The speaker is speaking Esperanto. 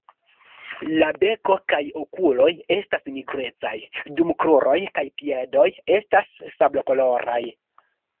La beko kaj okuloj estas nigrecaj, dum kruroj kaj piedoj estas sablokoloraj.